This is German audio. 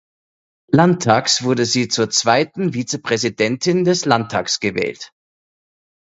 Landtags wurde sie zur Zweiten Vizepräsidentin des Landtags gewählt.